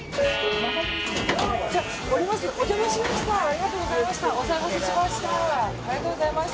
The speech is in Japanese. じゃあ、降ります。